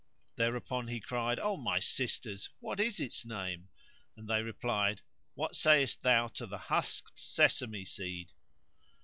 Thereupon he cried, "O my sisters, what is its name?" and they replied, "What sayest thou to the husked sesame seed?"